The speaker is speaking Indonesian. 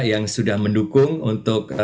yang sudah mendukung untuk